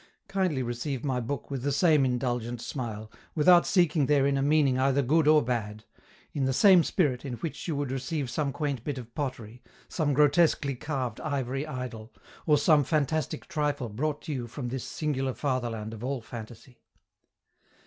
Kindly receive my book with the same indulgent smile, without seeking therein a meaning either good or bad, in the same spirit in which you would receive some quaint bit of pottery, some grotesquely carved ivory idol, or some fantastic trifle brought to you from this singular fatherland of all fantasy.